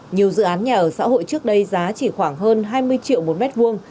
nhiều dự án nhà ở xã hội trước đây giá chỉ khoảng hơn hai mươi triệu một mét vuông